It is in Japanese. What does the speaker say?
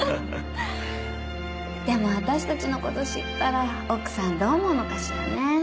でも私たちの事知ったら奥さんどう思うのかしらね。